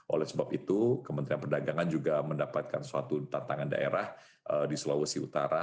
oleh sebab itu kementerian perdagangan juga mendapatkan suatu tantangan daerah di sulawesi utara